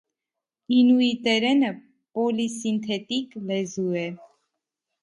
Ինուիտերենը պոլիսինթեթիկ լեզու է։